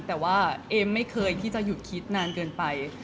แต่ว่าเอมไม่เคยที่จะหยุดคิดนานเกินไป